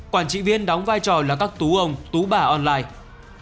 quản trị viên đóng vai trò là các tú ông tú bà online